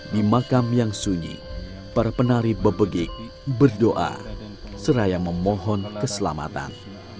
di makam yang sunyi para penari bebegik berdoa seraya memohon keselamatan